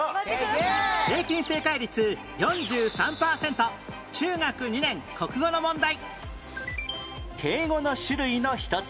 平均正解率４３パーセント中学２年国語の問題